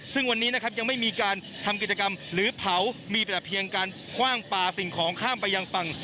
ซึ่งวันนี้นะครับยังไม่มีการทำกิจกรรมหรือเผามีแต่เพียงการคว่างปลาสิ่งของข้ามไปยังฝั่ง